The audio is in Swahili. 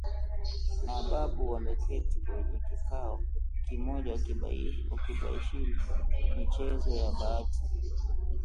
na babu wameketi kwenye kikao kimoja wakibashiri michezo ya bahati